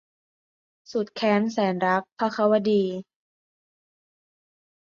สุดแค้นแสนรัก - ภควดี